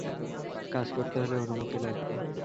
কাজ করতে হলে অনুমতি লাগবে।